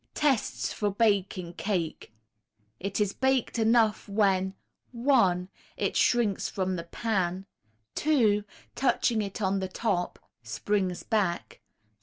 Tests for baking cake. It is baked enough when: 1. It shrinks from the pan. 2. Touching it on the top, springs back.